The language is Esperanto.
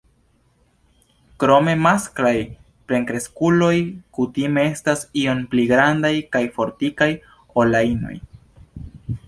Krome masklaj plenkreskuloj kutime estas iom pli grandaj kaj fortikaj ol la inoj.